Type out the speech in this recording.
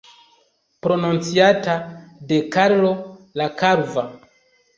Prononcita de Karlo la Kalva.